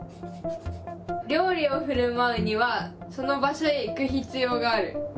料理をふるまうにはその場所へ行く必要がある。